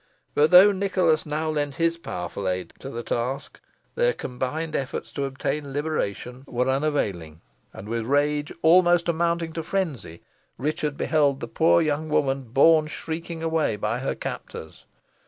But though Nicholas now lent his powerful aid to the task, their combined efforts to obtain liberation were unavailing; and with rage almost amounting to frenzy, Richard beheld the poor young woman borne shrieking away by her captors.